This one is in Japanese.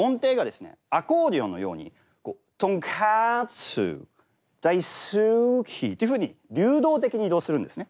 アコーディオンのようにとんかつだいすきというふうに流動的に移動するんですね。